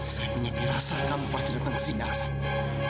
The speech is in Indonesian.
saya punya firasa kamu pas datang kesini aksan